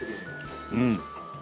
うん。